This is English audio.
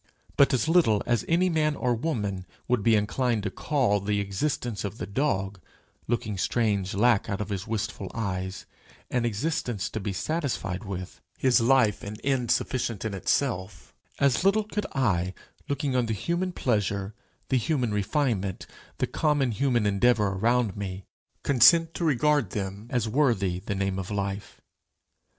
But as little as any man or woman would be inclined to call the existence of the dog, looking strange lack out of his wistful eyes, an existence to be satisfied with his life an end sufficient in itself, as little could I, looking on the human pleasure, the human refinement, the common human endeavour around me, consent to regard them as worthy the name of life.